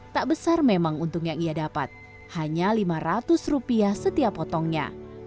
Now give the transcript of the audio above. tak besar memang untung yang ia dapat hanya lima ratus rupiah setiap potongnya